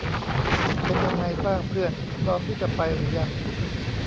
เป็นยังไงบ้างเพื่อน พร้อมที่จะไปหรือยัง ?